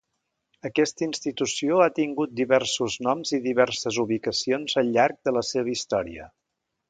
Aquesta institució ha tingut diversos noms i diverses ubicacions al llarg de la seva història.